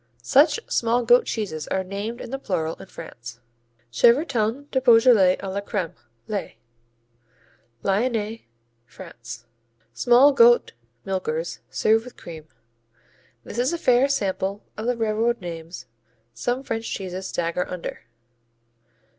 Such small goat cheeses are named in the plural in France. Chevretons du Beaujolais à la crème, les Lyonnais, France Small goat milkers served with cream. This is a fair sample of the railroad names some French cheeses stagger under.